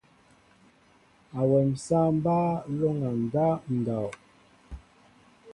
Awem sááŋ mbaa lóŋgá ndáw ndow.